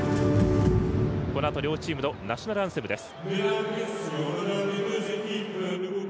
このあと両チームのナショナルアンセムです。